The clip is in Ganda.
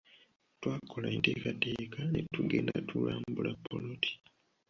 Twakola enteekateeka ne tugenda tulambula ppoloti.